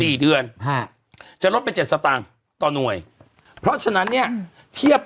เดือนฮะจะลดไปเจ็ดสตางค์ต่อหน่วยเพราะฉะนั้นเนี้ยเทียบ